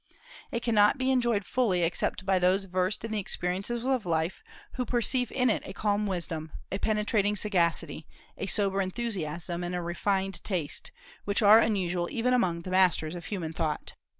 It cannot be enjoyed fully except by those versed in the experiences of life, who perceive in it a calm wisdom, a penetrating sagacity, a sober enthusiasm, and a refined taste, which are unusual even among the masters of human thought.